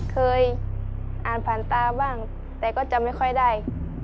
เคยอ่านผ่านตาบ้างแต่ก็จำไม่ค่อยได้